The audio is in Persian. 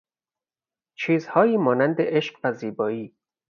چیزهایی مانند عشق و زیبایی